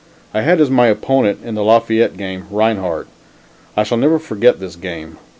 I had as my opponent in the Lafayette game, Rinehart. I shall never forget this game.